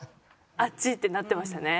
あっち？ってなってましたね。